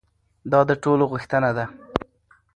دا د ټولو غوښتنه ده.